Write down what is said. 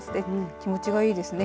気持ちがいいですね。